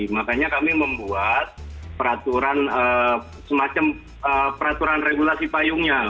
makanya kami membuat peraturan regulasi payungnya